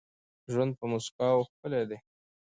ژوند په مسکاوو ښکلی دي.